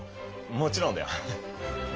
もちろんだよ。